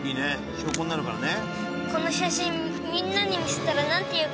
証拠になるからね。